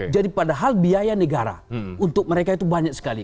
jadi padahal biaya negara untuk mereka itu banyak sekali